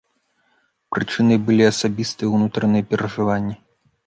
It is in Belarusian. Прычынай былі асабістыя, унутраныя перажыванні.